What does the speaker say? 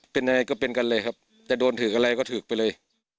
เป็นอะไรก็เป็นกันเลยครับจะโดนถืออะไรก็ถือไปเลย